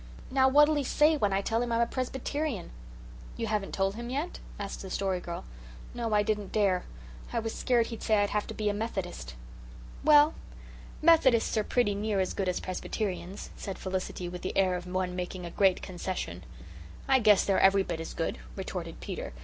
Now what'll he say when I tell him I'm a Presbyterian?" "You haven't told him, yet?" asked the Story Girl. "No, I didn't dare. I was scared he'd say I'd have to be a Methodist." "Well, Methodists are pretty near as good as Presbyterians," said Felicity, with the air of one making a great concession. "I guess they're every bit as good," retorted Peter.